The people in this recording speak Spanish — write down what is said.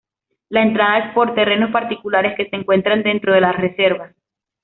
La entrada es por terrenos particulares que se encuentran dentro de la Reserva.